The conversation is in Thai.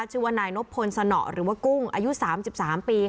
ชื่อว่านายนบพลศน่อหรือว่ากุ้งอายุ๓๓ปีว่นน้อย